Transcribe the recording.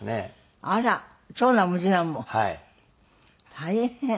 大変。